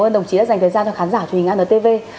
ơn đồng chí đã dành thời gian cho khán giả truyền hình antv